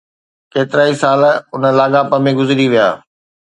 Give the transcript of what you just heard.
ڪيترائي سال ان لاڳاپي ۾ گذري ويا.